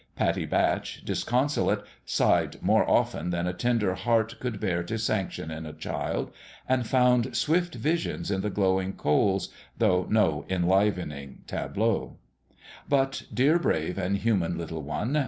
Pattie Batch, disconsolate, sighed more often than a tender heart could bear to sanction in a child, and found swift visions in the glowing coals, though no enliven ing tableaux ; but dear brave and human little one